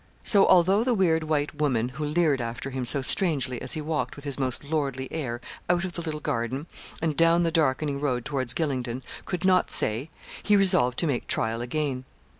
So, although the weird white woman who leered after him so strangely as he walked with his most lordly air out of the little garden, and down the darkening road towards Gylingden, could not say, he resolved to make trial again.